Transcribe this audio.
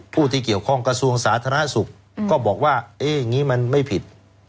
ผู้ที่เกี่ยวข้องกระทรวงสาธารณสุขก็บอกว่าอย่างนี้มันไม่ผิด